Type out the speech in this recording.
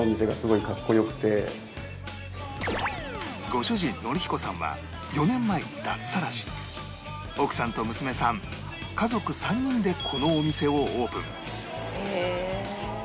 ご主人典彦さんは４年前に脱サラし奥さんと娘さん家族３人でこのお店をオープン